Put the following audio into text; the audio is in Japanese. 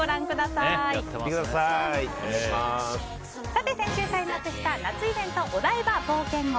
さて、先週開幕した夏イベントお台場冒険王。